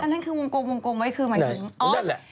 อันนั้นคือวงกลมไว้คือเหมือนคือ